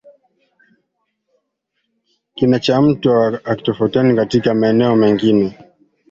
Kina cha mto hutofautiana katika maeneo mengine